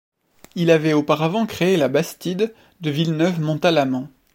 Il avait auparavant créé la bastide de Villeneuve-Mont-Alaman.